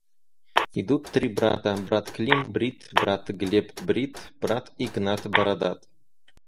Идут три брата: брат Клим брит, брат Глеб брит, брат Игнат бородат.